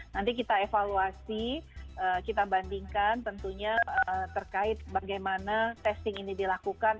nanti kita evaluasi kita bandingkan tentunya terkait bagaimana testing ini dilakukan